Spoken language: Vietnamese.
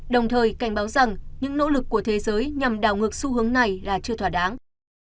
đồng thời cảnh báo rằng những nỗ lực của thế giới nhằm đảo ngược xu hướng này là chưa thỏa đáng